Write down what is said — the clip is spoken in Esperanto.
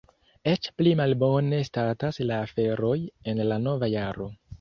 Eĉ pli malbone statas la aferoj en la nova jaro.